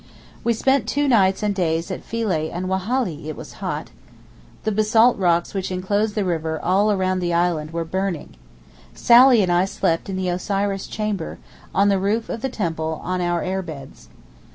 We spent two days and nights at Philæ and Wallahy! it was hot. The basalt rocks which enclose the river all round the island were burning. Sally and I slept in the Osiris chamber, on the roof of the temple, on our air beds.